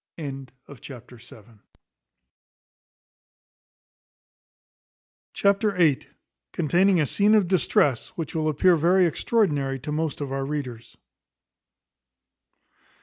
Chapter viii. Containing a scene of distress, which will appear very extraordinary to most of our readers.